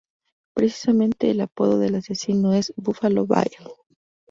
Precisamente el apodo del asesino es "Buffalo Bill".